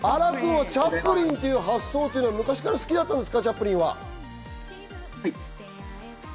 チャップリンっていう発想は昔から好きだったんですか？